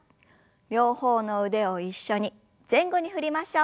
両方の腕を一緒に前後に振りましょう。